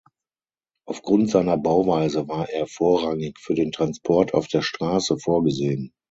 Auf Grund seiner Bauweise war er vorrangig für den Transport auf der Straße vorgesehen.